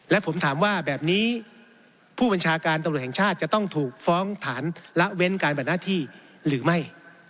และผมถามว่าแบบนี้ผู้บัญชาการตำรวจแห่งชาติจะต้องถูกฟ้องฐานละเว้นการบัดหน้าที่หรือไม่